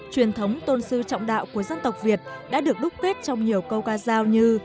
truyền thống tôn sư trọng đạo của dân tộc việt đã được đúc kết trong nhiều câu ca giao như